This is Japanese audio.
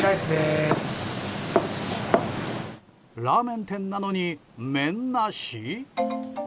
ラーメン店なのに麺なし？